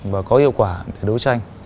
và có hiệu quả để đấu tranh